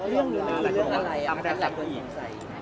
เรื่องอะไรอำแรกความสงสัย